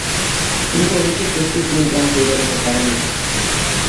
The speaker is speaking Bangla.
কিন্তু অভিষেক টেস্টে তিনি তেমন সুবিধা করতে পারেননি।